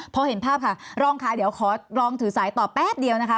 พอเห็นภาพค่ะรองค่ะเดี๋ยวขอลองถือสายต่อแป๊บเดียวนะคะ